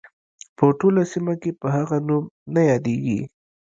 په ټوله سیمه کې په هغه نوم نه یادیږي.